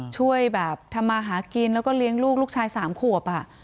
ช่วยแบบทำมาหากินแล้วก็เลี้ยงลูกลูกชาย๓ขวบ